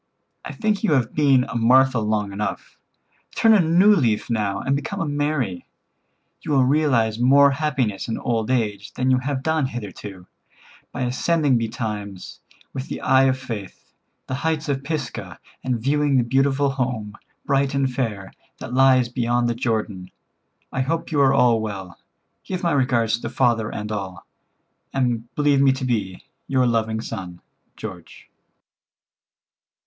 I think you have been a Martha long enough; turn a new leaf now and become a Mary. You will realize more happiness in old age than you have done hitherto, by ascending betimes, with the eye of faith, the heights of Pisgah, and viewing the beautiful home, bright and fair, that lies beyond the Jordan. I hope you are all well. Give my regards to father and all, and believe me to be, "Your loving son, "George."